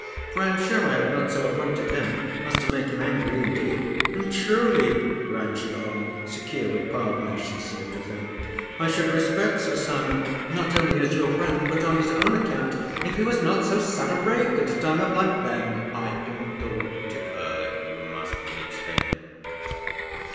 For I am sure, I have not so affronted him as to make him angry indeed. And truly" (ran she on, secure of pardon as she seemed to think), "I should respect Sir Simon not only as your friend, but on his own account, if he was not so sad a rake at a time of life " Then I interrupted her, you must needs think.